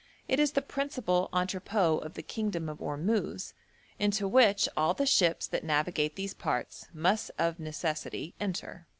It is the principal entrepôt of the kingdom of Ormuz, into which all the ships that navigate these parts must of necessity enter.'